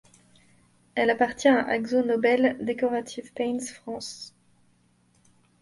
Elle appartient à AkzoNobel Decorative Paints France.